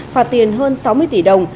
phạt tiền hơn sáu mươi tỷ đồng